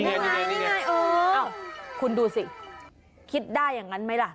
นี่ไงนี่ไงเออคุณดูสิคิดได้อย่างนั้นไหมล่ะ